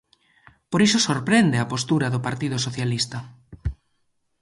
Por iso sorprende a postura do Partido Socialista.